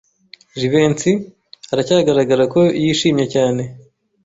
Jivency aracyagaragara ko yishimye cyane.